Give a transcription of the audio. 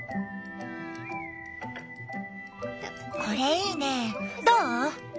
これいいねどう？